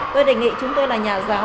tôi đề nghị chúng tôi là nhà giáo